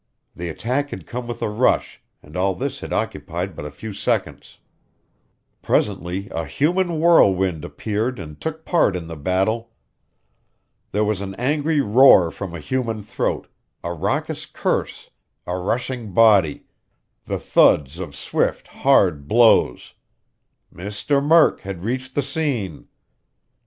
The attack had come with a rush, and all this had occupied but a few seconds. Presently a human whirlwind appeared and took part in the battle. There was an angry roar from a human throat, a raucous curse, a rushing body, the thuds of swift, hard blows. Mr. Murk had reached the scene!